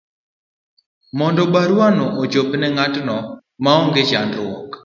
mondo baruano ochop ne ng'atno, ma onge chandruok